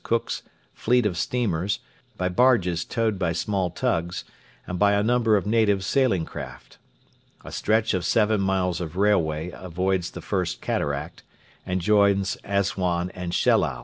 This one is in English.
Cook's fleet of steamers, by barges towed by small tugs, and by a number of native sailing craft. A stretch of seven miles of railway avoids the First Cataract, and joins Assuan and Shellal.